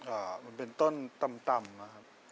อ่ามันเป็นต้นต่ำนะครับ